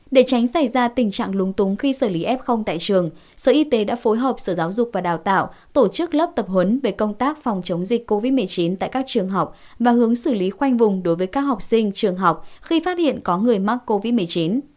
để tránh xảy ra tình trạng lúng túng khi xử lý f tại trường sở y tế đã phối hợp sở giáo dục và đào tạo tổ chức lớp tập huấn về công tác phòng chống dịch covid một mươi chín tại các trường học và hướng xử lý khoanh vùng đối với các học sinh trường học khi phát hiện có người mắc covid một mươi chín